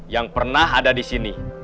yang pernah ada disini